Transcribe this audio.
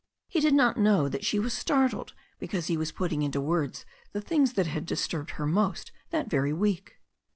He did not know that she was startled because he was putting into words the things that had disturbed her most that very week.